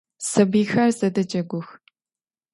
Сабыйхэр зэдэджэгух.